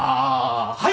はい。